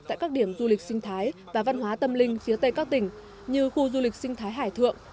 tại các điểm du lịch sinh thái và văn hóa tâm linh phía tây các tỉnh như khu du lịch sinh thái hải thượng